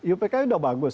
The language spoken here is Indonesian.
upk itu sudah bagus